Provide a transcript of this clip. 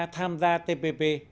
tham gia tpp